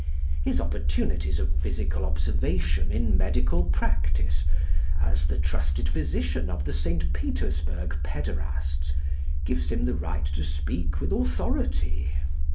His opportunities of physical observation in medical practice as the trusted physician of the St. Petersburg pæderasts gives him the right to speak with authority.